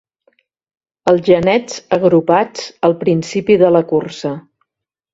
Els genets agrupats al principi de la cursa.